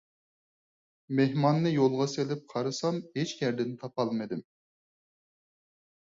مېھماننى يولغا سېلىپ قارىسام ھېچ يەردىن تاپالمىدىم.